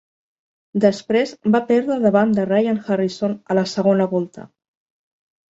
Després va perdre davant de Ryan Harrison a la segona volta.